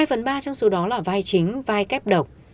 hai phần ba trong số đó là vai chính vai kép độc